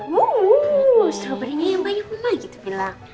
wooo strawberry nya yang banyak oma gitu bilang